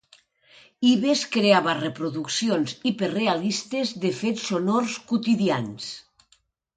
Ives creava reproduccions hiperrealistes de fets sonors quotidians.